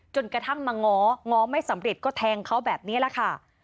จนกระทั่งมาง้อง้อไม่สำเร็จก็แทงเขาแบบนี้แหละค่ะ